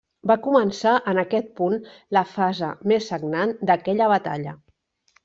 Va començar en aquest punt la fase més sagnant d'aquella batalla.